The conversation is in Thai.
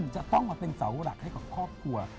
จะต้องมาเป็นเสาหลักให้กับครอบครัว